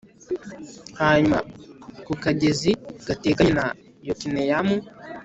hanyuma ku kagezi gateganye na yokineyamu